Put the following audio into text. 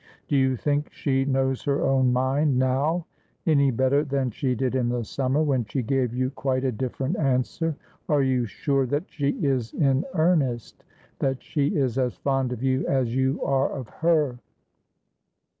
Do you think she knows her own mind now any better than she did in the sum mer, when she gave you quite a different answer ? Are you sure that she is in earnest — that she is as fond of you as you are of her